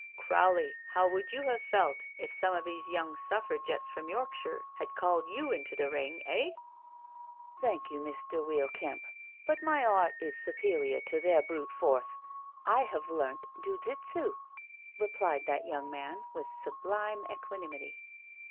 " Crowley, how would you have felt if some of these young Suffragettes from Yorkshire had called yott into the ring, eh?" " Thank you, Mr. Weir Kemp, but my art is su perior to their brute force. I have learnt Ju jitsu," replied that young man with sublime equanimity.